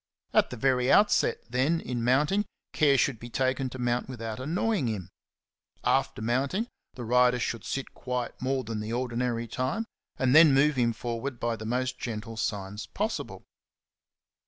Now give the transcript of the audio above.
At the very out set, then, in mounting, care should be taken to mount without annoying him. After mount ing, the rider should sit quiet more than the ordinary time, and then move him forward by the most gentle signs possible.